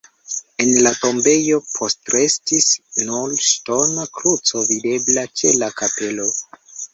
El la tombejo postrestis nur ŝtona kruco videbla ĉe la kapelo.